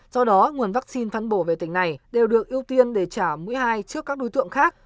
do đó nguồn vaccine phân bổ về tỉnh này đều được ưu tiên để trả mũi hai trước các đối tượng khác